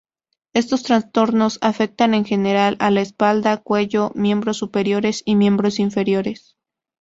Estos trastornos afectan en general a la espalda, cuello, miembros superiores y miembros inferiores.